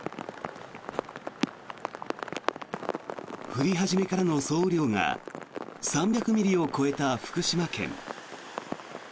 降り始めからの総雨量が３００ミリを超えた福島県。